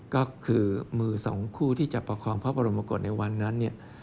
ก็คือมือสองคู่ที่จะประคองพระบรมกฏในวันนั้นเนี่ย